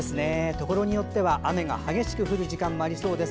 ところによっては雨が激しく降る時間もありそうです。